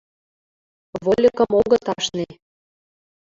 Вольыкым огыт ашне.